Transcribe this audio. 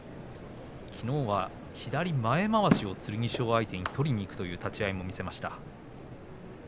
きのうは左前まわしを、剣翔相手に取りにいく立ち合いも見せました。